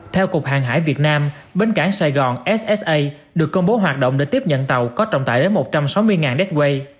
theo cục hàng hải việt nam bến cảng sài gòn ssa được công bố hoạt động để tiếp nhận tàu có trọng tải đến một trăm sáu mươi đết quay